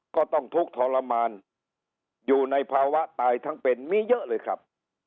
ก็ต้องทุกข์ทรมานอยู่ในภาวะตายทั้งเป็นมีเยอะเลยครับ